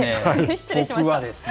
失礼しました。